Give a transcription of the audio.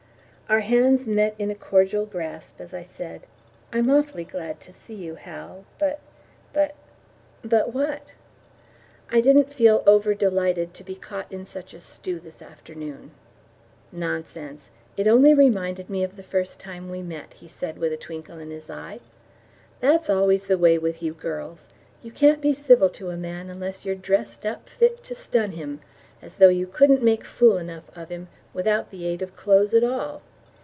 Our hands met in a cordial grasp as I said, "I'm awfully glad to see you, Hal; but, but " "But what?" "I didn't feel over delighted to be caught in such a stew this afternoon." "Nonsense! It only reminded me of the first time we met," he said with a twinkle in his eye. "That's always the way with you girls. You can't be civil to a man unless you're dressed up fit to stun him, as though you couldn't make fool enough of him without the aid of clothes at all."